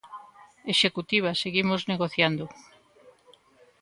Executiva Seguimos negociando.